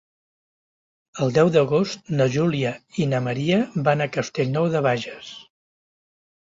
El deu d'agost na Júlia i na Maria van a Castellnou de Bages.